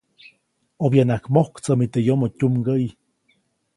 ʼObyanaʼak mojktsämi teʼ yomoʼ tyumgäʼyi.